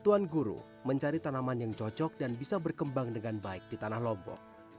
tuan guru mencari tanaman yang cocok dan bisa berkembang dengan baik di tanah lombok